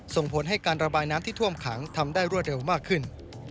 ส่งผลให้การระบายน้ำที่ท่วมขังทำได้รวดเร็วมากขึ้น